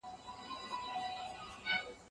یوازي تقریظونه لیکل او شاباس ویل رواج لري